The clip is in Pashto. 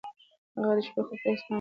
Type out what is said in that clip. هغه د شپې خوب ته هېڅ پام نه کوي.